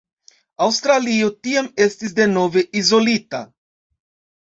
Aŭstralio tiam estis denove izolita.